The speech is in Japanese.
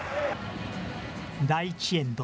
第１エンド。